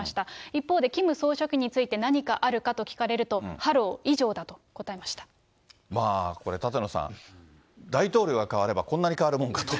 一方でキム総書記について何かあるかと聞かれると、ハロー、これ、舘野さん、大統領が変わればこんなに変わるもんかと。